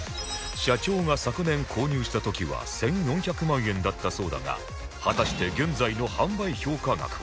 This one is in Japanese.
社長が昨年購入した時は１４００万円だったそうだが果たして現在の販売評価額は？